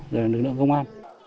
rồi lực lượng công an